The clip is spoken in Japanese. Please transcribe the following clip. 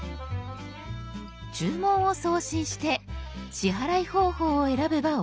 注文を送信して支払い方法を選べばＯＫ。